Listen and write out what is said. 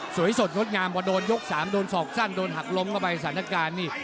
สดงดงามพอโดนยก๓โดนศอกสั้นโดนหักล้มเข้าไปสถานการณ์นี่